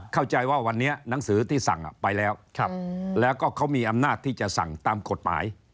เข้าใจว่าวันนี้หนังสือที่สั่งไปแล้วแล้วก็เขามีอำนาจที่จะสั่งตามกฎหมาย